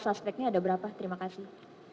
suspeknya ada berapa terima kasih